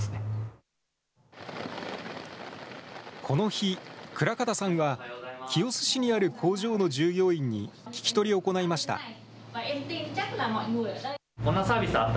この日、倉片さんは、清須市にある工場の従業員に聞き取りを行いました。